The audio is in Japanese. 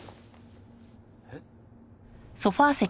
えっ？